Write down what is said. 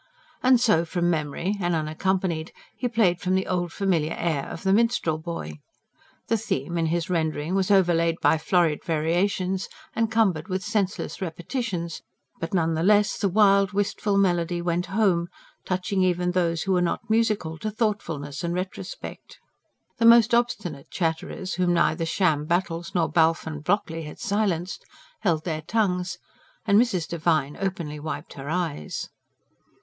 And so, from memory and unaccompanied, he played them the old familiar air of THE MINSTREL BOY. The theme, in his rendering, was overlaid by florid variations and cumbered with senseless repetitions; but, none the less, the wild, wistful melody went home, touching even those who were not musical to thoughtfulness and retrospect. The most obstinate chatterers, whom neither sham battles nor Balfe and Blockley had silenced, held their tongues; and Mrs. Devine openly wiped her eyes.